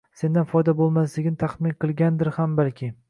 Sendan foyda bo‘lmasligini tahmin qilgandir ham balki.